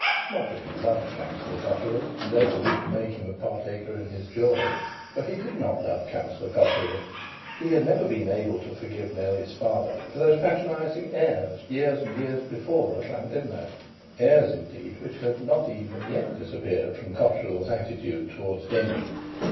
Not that he loved Councillor Cotterill, and therefore wished to make him a partaker in his joy; for he did not love Councillor Cotterill. He had never been able to forgive Nellie's father for those patronising airs years and years before at Llandudno, airs indeed which had not even yet disappeared from Cotterill's attitude towards Denry.